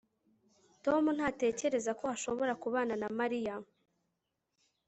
tom ntatekereza ko ashobora kubana na mariya